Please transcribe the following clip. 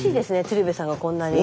鶴瓶さんがこんなに。